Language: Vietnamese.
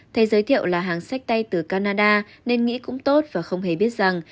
thầy giới thiệu là hàng sách tay từ canada nên nghĩ cũng tốt và không hề biết rằng